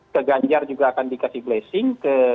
ke ganjar juga akan dikasih blessing